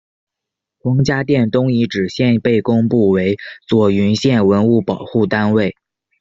黄家店东遗址现被公布为左云县文物保护单位。